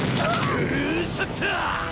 グルーショット！